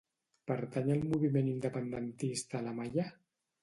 Pertany al moviment independentista l'Amaia?